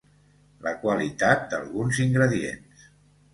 la qualitat d'alguns ingredients